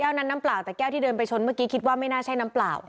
นั้นน้ำเปล่าแต่แก้วที่เดินไปชนเมื่อกี้คิดว่าไม่น่าใช่น้ำเปล่า